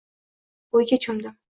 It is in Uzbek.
O`yga cho`mdim